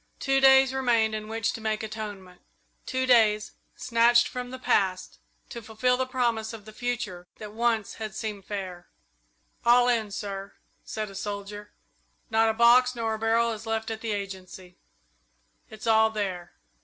Two days remained in which to make atonement two days, snatched from the past, to fulfil the promise of the future that once had seemed so fair. "All in, sir," said a soldier. "Not a box nor a barrel is left at the Agency. It's all there."